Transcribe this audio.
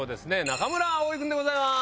中村蒼君でございます。